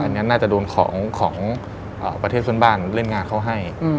อันนี้น่าจะโดนของประเทศเพื่อนบ้านเล่นงานเขาให้